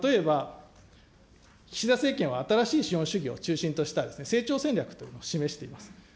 例えば、岸田政権は新しい資本主義を中心とした成長戦略というのを示しています。